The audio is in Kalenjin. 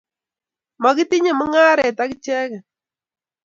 makitinye mung'aret ak icheke